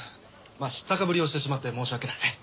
知ったかぶりをしてしまって申し訳ない。